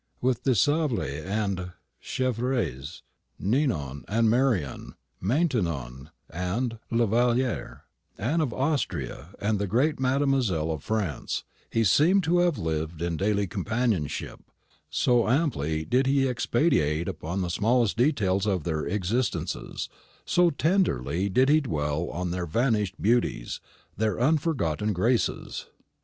"With the De Sablé and the Chevreuse, Ninon and Marion, Maintenon and La Vallière, Anne of Austria and the great Mademoiselle of France, he seemed to have lived in daily companionship, so amply did he expatiate upon the smallest details of their existences, so tenderly did he dwell on their vanished beauties, their unforgotten graces."